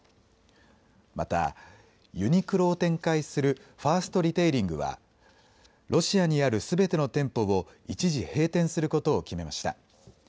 また、ユニクロを展開するファーストリテイリングはロシアにあるすべての店舗を一時、閉店することを決めました。